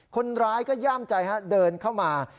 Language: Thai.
คนร้ายก็ย่ามใจเดินเข้ามา